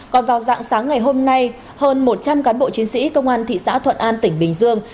còn vào dạng sáng ngày hôm nay hơn một trăm linh cán bộ chiến sĩ công an thị xã thuận an tỉnh bình dương